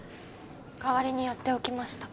代わりにやっておきました